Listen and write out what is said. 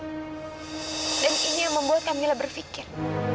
dan ini yang membuat kak mila berpikir